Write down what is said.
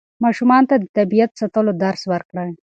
ماشومانو ته د طبیعت ساتلو درس ورکړئ.